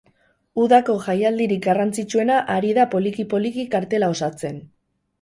Udako jaialdirik garrantzitsuena ari da poliki poliki kartela osatzen.